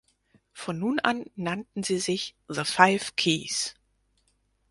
Von nun an nannten sie sich "The Five Keys".